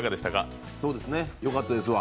よかったですわ。